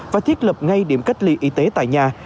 và thiết lập ngay điểm cách ly y tế tại nhà